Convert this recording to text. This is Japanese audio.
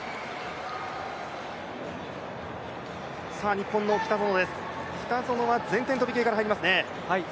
日本の北園です、前転跳び系から入りますね。